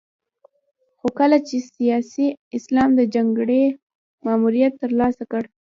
خو کله چې سیاسي اسلام د جګړې ماموریت ترلاسه کړ.